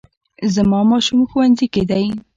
زما ماشوم ښوونځي کې دی